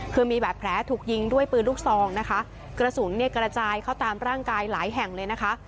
คือมีบาดแผลถูกยิงด้วยปืนลูกซองนะคะกระสุนเนี่ยกระจายเข้าตามร่างกายหลายแห่งเลยนะคะ